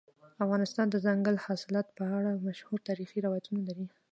افغانستان د دځنګل حاصلات په اړه مشهور تاریخی روایتونه لري.